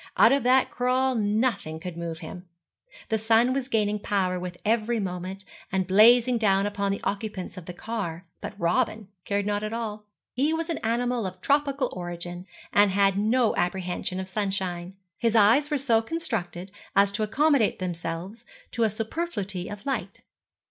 Out of that crawl nothing could move him. The sun was gaining power with every moment, and blazing down upon the occupants of the car; but Robin cared not at all. He was an animal of tropical origin, and had no apprehension of sunshine; his eyes were so constructed as to accommodate themselves to a superfluity of light.